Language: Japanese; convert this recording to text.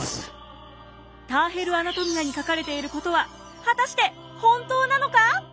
「ターヘル・アナトミア」に書かれていることは果たして本当なのか？